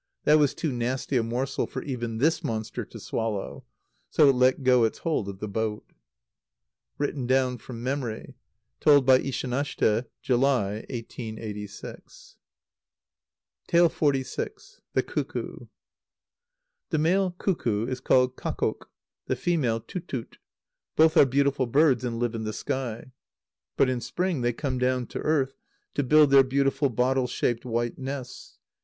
That was too nasty a morsel for even this monster to swallow; so it let go its hold of the boat. (Written down from memory. Told by Ishanashte, July, 1886.) xlvi. The Cuckoo. The male cuckoo is called kakkok, the female tutut. Both are beautiful birds, and live in the sky. But in spring they come down to earth, to build their beautiful bottle shaped white nests.